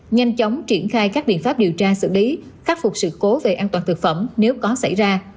nhanh chóng triển khai các biện pháp điều tra xử lý khắc phục sự cố về an toàn thực phẩm nếu có xảy ra